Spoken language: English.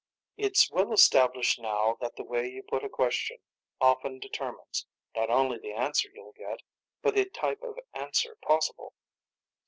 _It's well established now that the way you put a question often determines not only the answer you'll get, but the type of answer possible.